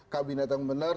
kabinet yang benar